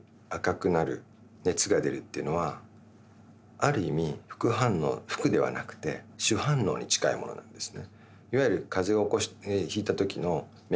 ある意味副反応副ではなくて主反応に近いものなんですね。